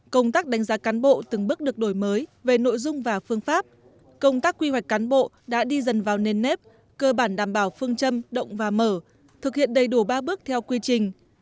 công tác đánh giá cán bộ từng bước được đổi mới về nội dung và phương pháp công tác quy hoạch cán bộ đã đi dần vào nền nếp cơ bản đảm bảo phương châm động và mở thực hiện đầy đủ ba bước theo quy trình